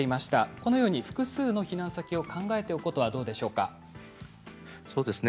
このように複数の避難先を考えておくことはどうでしょうか。